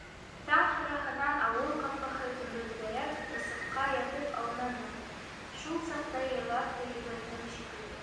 Таң һарыһынан ауыл ҡапҡаһы төбөндәрәк ысыҡҡа ятып аунаным, шул саҡта йырлап та ебәрҙем, шикелле.